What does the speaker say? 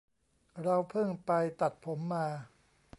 เราเพิ่งไปตัดผมมา